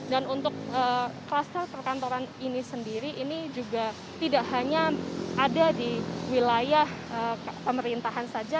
dan untuk kluster perkantoran ini sendiri ini juga tidak hanya ada di wilayah pemerintahan saja